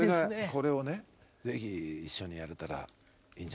これをね是非一緒にやれたらいいんじゃないかな。